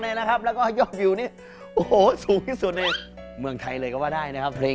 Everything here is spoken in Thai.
แต่ท่าของหนูนี่พี่ไหมไทยชัดเลย